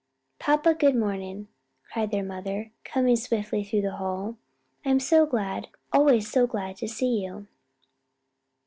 "Papa, good morning," cried their mother, coming swiftly through, the hall, "I'm so glad, always so glad to see you."